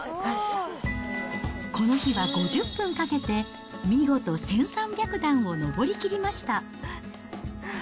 この日は５０分かけて、見事１３００段を上り切りました。